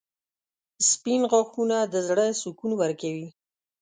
• سپین غاښونه د زړه سکون ورکوي.